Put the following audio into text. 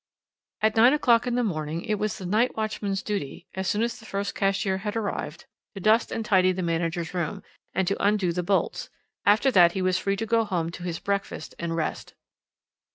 "At nine o'clock in the morning it was the night watchman's duty, as soon as the first cashier had arrived, to dust and tidy the manager's room, and to undo the bolts; after that he was free to go home to his breakfast and rest.